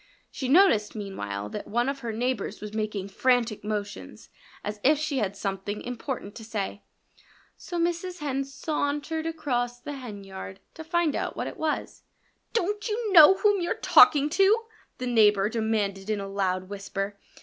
She noticed meanwhile that one of her neighbors was making frantic motions, as if she had something important to say. So Mrs. Hen sauntered across the henyard to find out what it was. "Don't you know whom you're talking to?" the neighbor demanded in a loud whisper.